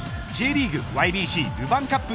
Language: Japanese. ＪリーグＹＢＣルヴァンカップ